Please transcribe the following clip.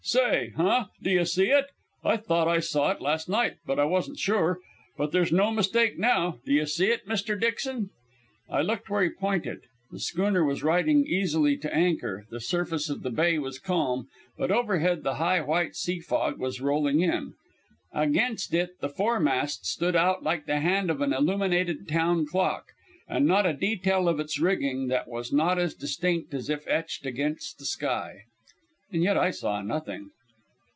"Say, huh? D'ye see it? I thought I saw it last night, but I wasn't sure. But there's no mistake now. D'ye see it, Mr. Dixon?" I looked where he pointed. The schooner was riding easily to anchor, the surface of the bay was calm, but overhead the high white sea fog was rolling in. Against it the foremast stood out like the hand of an illuminated town clock, and not a detail of its rigging that was not as distinct as if etched against the sky. And yet I saw nothing.